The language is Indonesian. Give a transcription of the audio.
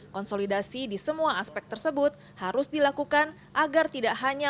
konsolidasi di semua aspek tersebut harus dilakukan agar tidak hanya